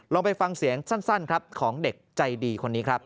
ไปฟังเสียงสั้นครับของเด็กใจดีคนนี้ครับ